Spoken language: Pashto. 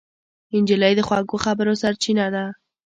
نجلۍ د خوږو خبرو سرچینه ده.